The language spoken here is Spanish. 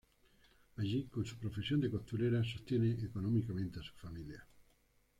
Allí con su profesión de costurera sostiene económicamente a su familia.